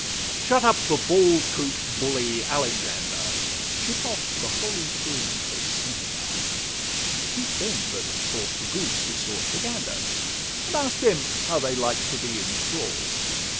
Shut up the bald coot bully Alexander! Ship off the Holy Three to Senegal; Teach them that 'sauce for goose is sauce for gander,' And ask them how they like to be in thrall?